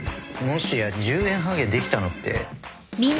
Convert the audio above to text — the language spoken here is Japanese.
もしや１０円ハゲできたのって。